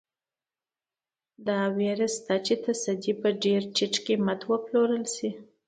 دا وېره شته چې تصدۍ په ډېر ټیټ قیمت وپلورل شي.